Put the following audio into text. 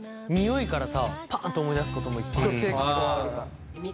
匂いからさパッと思い出すこともいっぱいあるよね。